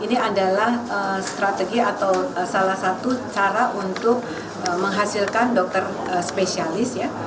ini adalah strategi atau salah satu cara untuk menghasilkan dokter spesialis ya